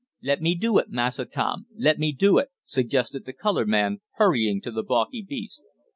"Let me do it, Massa Tom. Let me do it," suggested the colored man hurrying to the balky beast.